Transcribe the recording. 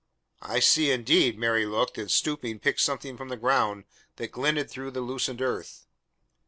"I see indeed." Mary looked, and stooping, picked something from the ground that glinted through the loosened earth.